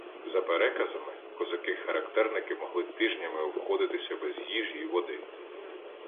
За переказами, козаки-характерники могли тижнями обходиться без їжі і води.